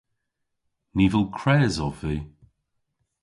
Nivel kres ov vy.